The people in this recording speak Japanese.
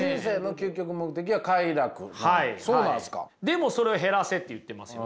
でもそれを減らせって言ってますよね。